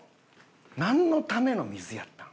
なんのための水やったん？